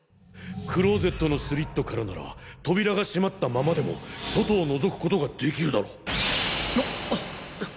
クローゼットのスリットからなら扉が閉まったままでも外を覗くことが出来るだろ？